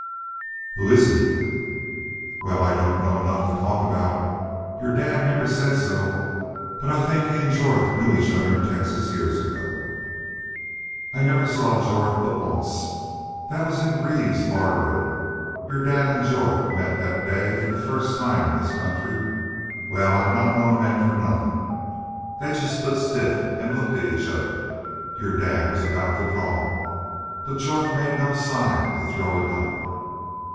"Who is he?" "Wal, I don't know enough to talk aboot. Your dad never said so, but I think he an' Jorth knew each other in Texas years ago. I never saw Jorth but once. That was in Greaves's barroom. Your dad an' Jorth met that day for the first time in this country. Wal, I've not known men for nothin'. They just stood stiff an' looked at each other. Your dad was aboot to draw. But Jorth made no sign to throw a gun."